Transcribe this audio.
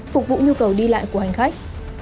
phục vụ nhu cầu đi lại của hành khách